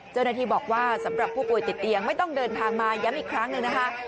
เจ้าหน้าที่บอกว่าสำหรับผู้ป่วยติดเตียงไม่ต้องเดินทางมาย้ำอีกครั้งหนึ่งนะคะ